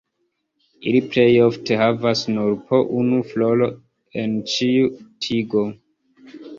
Ili plej ofte havas nur po unu floro en ĉiu tigo.